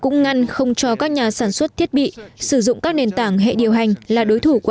cũng ngăn không cho các nhà sản xuất thiết bị sử dụng các nền tảng hệ điều hành là đối thủ của